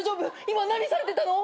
今何されてたの！？